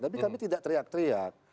tapi kami tidak teriak teriak